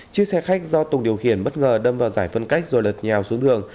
chiếc xe khách do tùng điều khiển bất ngờ đâm vào giải phân cách rồi lật nhào xuống đường